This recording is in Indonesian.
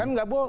kan nggak boleh